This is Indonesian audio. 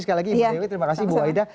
sekali lagi ibu dewi terima kasih bu wahida